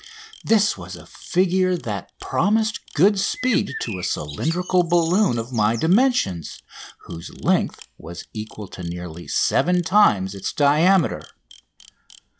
This was a figure that promised good speed to a cylindrical balloon of my dimensions, whose length was equal to nearly seven times its diameter.